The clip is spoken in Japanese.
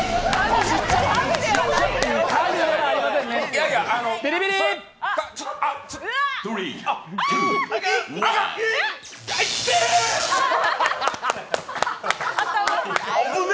家具ではありませんね。